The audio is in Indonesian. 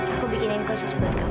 aku bikinin kosis buat kamu